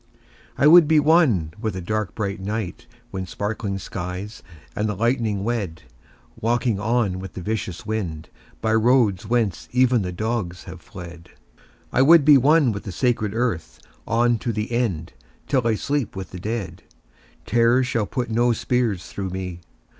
I would be one with the dark bright night When sparkling skies and the lightning wed— Walking on with the vicious wind By roads whence even the dogs have fled. I would be one with the sacred earth On to the end, till I sleep with the dead. Terror shall put no spears through me.